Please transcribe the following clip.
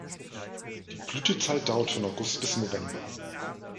Die Blütezeit dauert von August bis November.